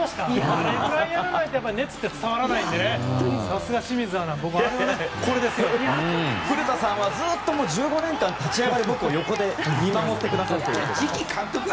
あれぐらいやらないと熱って伝わらないので古田さんは１５年間、立ち上がる僕を横で見守ってくださってたので。